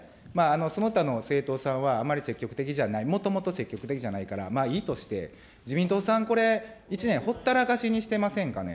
その他の政党さんはあまり積極的じゃない、もともと積極的じゃないから、まあいいとして、自民党さん、これ、１年ほったらかしにしてませんかね。